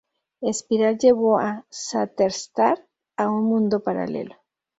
Espiral llevó a Shatterstar a un mundo paralelo.